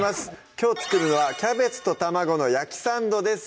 きょう作るのは「キャベツと卵の焼きサンド」です